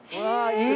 いい！